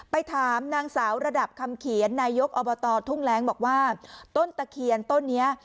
ไปถามนางสาวระดับคำเขียนนายกอบตทุ่งแร้งบอกว่าต้นตะเคียนต้นนี้